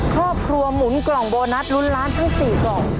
ครอบครัวหมุนกล่องโบนัสลุ้นล้านทั้ง๔กล่อง